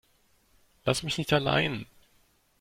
Lass mich nicht allein.